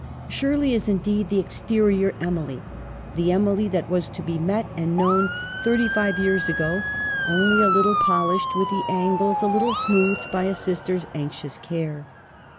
Shirley is indeed the exterior Emily, the Emily that was to be met and known thirty five years ago, only a little polished, with the angles a little smoothed, by a sister's anxious care.